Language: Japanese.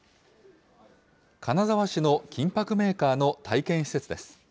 金沢市の金ぱくメーカーの体験施設です。